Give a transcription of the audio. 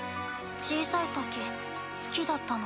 小さいとき好きだったの。